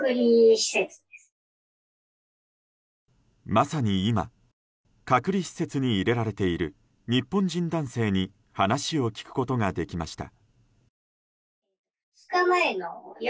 まさに今隔離施設に入れられている日本人男性に話を聞くことができました。